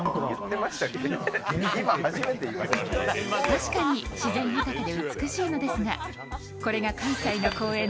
確かに自然豊かで美しいのですがこれが関西の公園